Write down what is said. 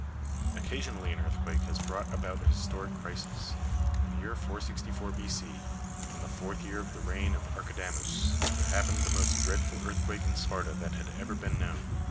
Occasionally an earthquake has brought about a historic crisis. In the year 464 B. C., "in the fourth year of the reign of Archidamus, there happened the most dreadful earthquake in Sparta that had ever been known.